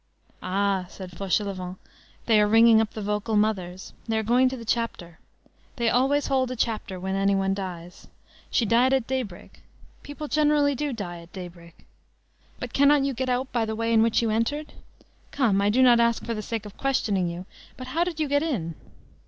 "Ah!" said Fauchelevent, "they are ringing up the vocal mothers. They are going to the chapter. They always hold a chapter when any one dies. She died at daybreak. People generally do die at daybreak. But cannot you get out by the way in which you entered? Come, I do not ask for the sake of questioning you, but how did you get in?"